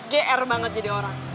gr banget jadi orang